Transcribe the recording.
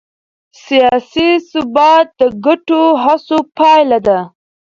سیاسي ثبات د ګډو هڅو پایله ده